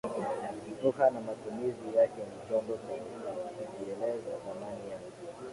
Lugha na matumizi yake ni chombo cha kujieleleza thamani yake